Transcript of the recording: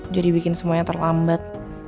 jadi bikin semuanya terlambat